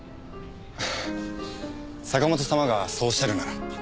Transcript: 坂本様がそうおっしゃるなら。